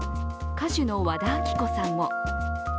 歌手の和田アキ子さんも。